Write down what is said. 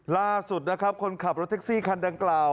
ล่าสุดนะครับคนขับรถแท็กซี่คันดังกล่าว